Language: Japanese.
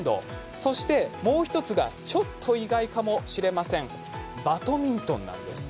そして、もう１つがちょっと意外かもしれませんバドミントンなんです。